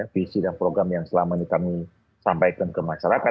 visi dan program yang selama ini kami sampaikan ke masyarakat